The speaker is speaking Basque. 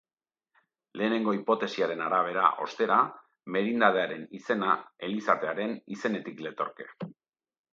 Lehenengo hipotesiaren arabera, ostera, merindadearen izena elizatearen izenetik letorke.